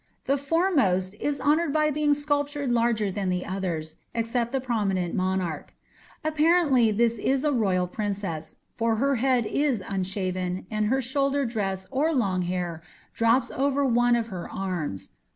The foremost is honoured by being sculptured larger than the others, except the prominent monarch. Apparently this is a royal princess, for her head is unshaven, and her shoulder dress or long hair drops over one of her arms.